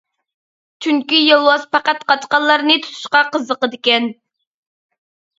چۈنكى يولۋاس پەقەت قاچقانلارنى تۇتۇشقا قىزىقىدىكەن.